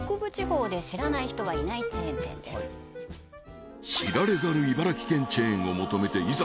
はいまずは知られざる茨城県チェーンを求めていざ